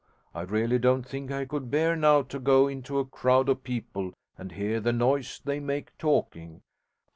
I really don't think I could bear now to go into a crowd of people and hear the noise they make talking.